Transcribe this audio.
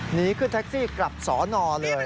หนีขึ้นแท็กซี่กลับสอนอเลย